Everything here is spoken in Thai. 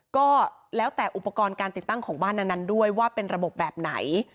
ก็แล้วแต่อุปกรณ์การติดตั้งของบ้านนั้นด้วยว่าเป็นระบบแบบไหน